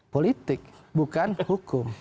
politik bukan hukum